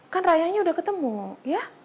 kan raya nya udah ketemu ya